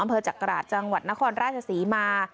อำเภอจักราชจังหวัดนครราชสีมา